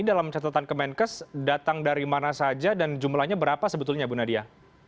dalam catatan kemenkes datang dari mana saja dan jumlahnya berapa sebetulnya bu nadia